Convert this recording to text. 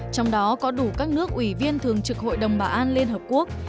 trong đó có đủ các nước ủy viên thường trực hội đồng bảo an liên hợp quốc